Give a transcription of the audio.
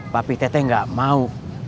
papi teteh nggak mau